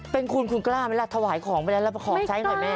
เป็นคุณคุณกล้าไหมล่ะถวายของไปแล้วขอใช้หน่อยแม่